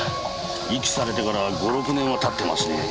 遺棄されてから５６年は経ってますね。